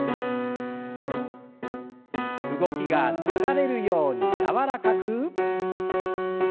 動きが流れるように柔らかく。